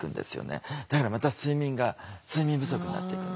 だからまた睡眠が睡眠不足になっていくんです。